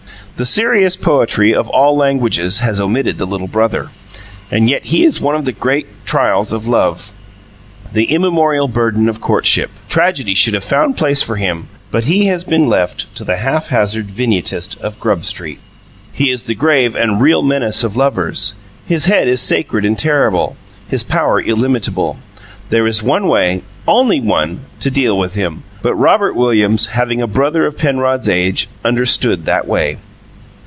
The serious poetry of all languages has omitted the little brother; and yet he is one of the great trials of love the immemorial burden of courtship. Tragedy should have found place for him, but he has been left to the haphazard vignettist of Grub Street. He is the grave and real menace of lovers; his head is sacred and terrible, his power illimitable. There is one way only one to deal with him; but Robert Williams, having a brother of Penrod's age, understood that way.